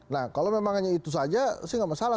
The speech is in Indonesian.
nah kalau memang hanya itu saja sih nggak masalah